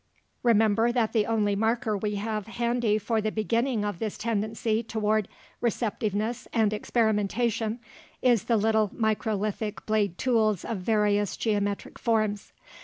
Remember that the only marker we have handy for the beginning of this tendency toward "receptiveness" and experimentation is the little microlithic blade tools of various geometric forms.